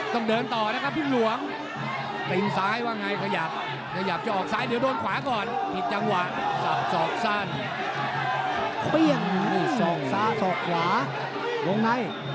เปลี่ยนส่องซ้าส่องขวาลงไป